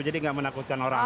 jadi tidak menakutkan orang